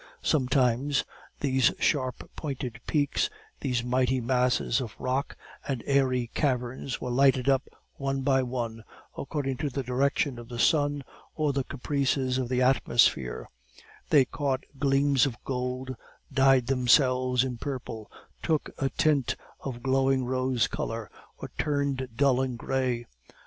Sometimes these sharp pointed peaks, these mighty masses of rock, and airy caverns were lighted up one by one, according to the direction of the sun or the caprices of the atmosphere; they caught gleams of gold, dyed themselves in purple; took a tint of glowing rose color, or turned dull and gray.